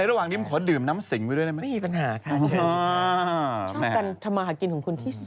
ระหว่างนี้มันขอดื่มน้ำสิงไว้ด้วยได้ไหมไม่มีปัญหาค่ะชอบการทำมาหากินของคุณที่สุด